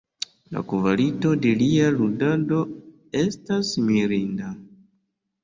La kvalito de lia ludado estas mirinda.